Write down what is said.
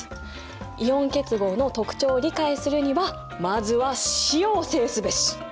イオン結合の特徴を理解するにはまずは塩を制すべし！